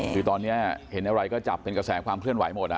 คือตอนนี้เห็นอะไรก็จับเป็นกระแสความเคลื่อนไหวหมด